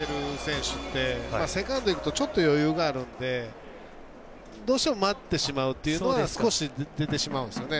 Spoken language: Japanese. ふだんショートやっている選手ってセカンドいくとちょっと余裕があるのでどうしても待ってしまうっていうのは少し出てしまうんですよね。